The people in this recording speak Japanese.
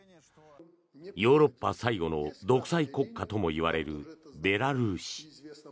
ヨーロッパ最後の独裁国家ともいわれるベラルーシ。